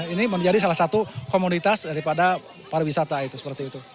ini menjadi salah satu komoditas daripada pariwisata itu seperti itu